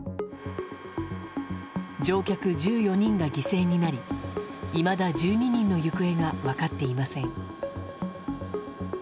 乗客１４人が犠牲になりいまだ１２人の行方が分かっていません。